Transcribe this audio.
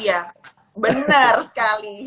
iya bener sekali